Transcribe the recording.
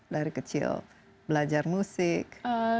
dari kecil belajar musik